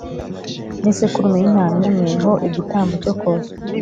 n isekurume y intama imwe ho igitambo cyo koswa